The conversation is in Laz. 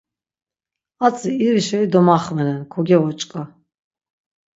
Atzi iri şei domaxvenen, kogevoç̆k̆a.